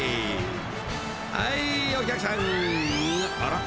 ［はいお客さんあらっ？］